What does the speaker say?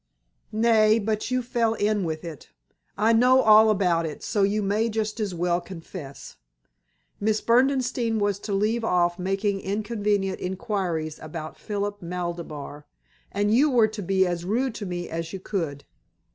"Nay, but you fell in with it. I know all about it, so you may just as well confess. Miss Berdenstein was to leave off making inconvenient inquiries about Philip Maltabar, and you were to be as rude to me as you could.